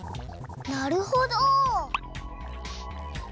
なるほど！